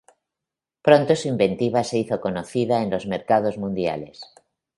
Pronto su inventiva se hizo conocida en los mercados mundiales.